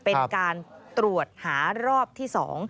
เป็นการตรวจหารอบที่๒